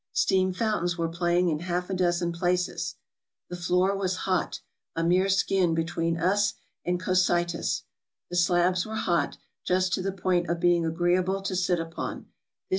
Steam fountains were playing in half a dozen places. The floor was hot — a mere skin between us and Cocytus. The slabs were hot, just to the point of being agreeable to sit upon.